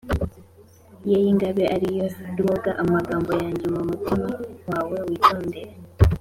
Ye y ingabe ari yo rwoga amagambo yanjye mu mutima wawe witondere